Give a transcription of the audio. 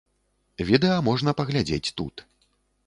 Відэа можна паглядзець тут.